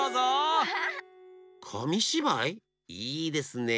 いいですねえ。